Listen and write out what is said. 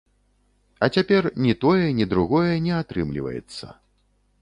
А цяпер ні тое, ні другое не атрымліваецца.